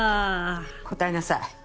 答えなさい。